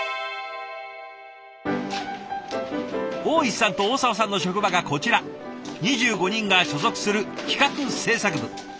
大石さんと大澤さんの職場がこちら２５人が所属する企画制作部。